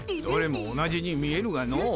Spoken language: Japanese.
どれも同じに見えるがの。